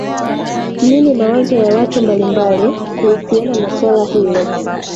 nini mawazo ya watu mbalimbali kuhusiana na swala hilo